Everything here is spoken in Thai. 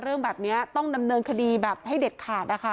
เรื่องแบบนี้ต้องดำเนินคดีแบบให้เด็ดขาดนะคะ